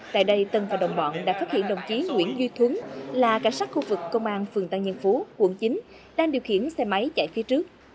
tại đây tân và đồng bọn đã phát hiện đồng chí nguyễn duy thuấn là cảnh sát khu vực công an phường tăng nhân phú quận chín đang điều khiển xe máy chạy phía trước